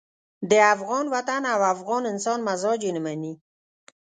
د افغان وطن او افغان انسان مزاج یې نه مني.